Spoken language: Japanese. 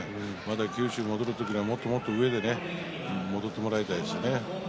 九州に戻る時にはもっともっと上で戻ってもらいたいですね。